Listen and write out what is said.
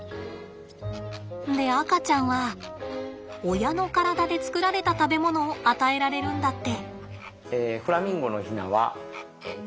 で赤ちゃんは親の体で作られた食べ物を与えられるんだって。